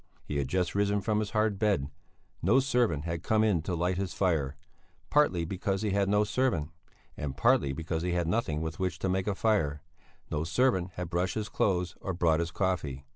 He had just risen from his hard bed; no servant had come in to light his fire partly because he had no servant, and partly because he had nothing with which to make a fire no servant had brushed his clothes or brought his coffee.